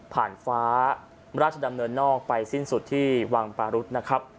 ฟ้าราชดำเนินนอกไปสิ้นสุดที่วังปารุษนะครับ